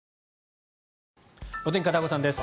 お天気、片岡さんです。